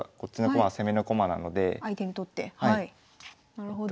なるほど。